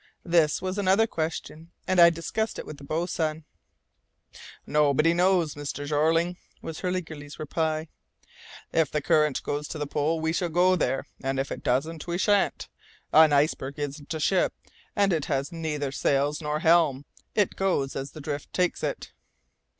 This was another question, and I discussed it with the boatswain. "Nobody knows, Mr. Jeorling," was Hurliguerly's reply. "If the current goes to the pole, we shall go there; and if it doesn't, we shan't. An iceberg isn't a ship, and as it has neither sails nor helm, it goes as the drift takes it."